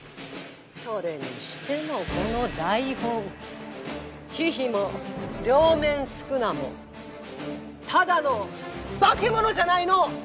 それにしてもこの台本狒々も両面宿儺もただの化け物じゃないの！